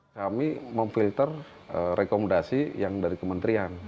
kami memfilter rekomendasi yang dari kementerian